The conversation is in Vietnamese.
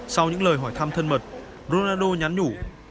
sau những lời hỏi thăm thân mật runando nhắn nhủ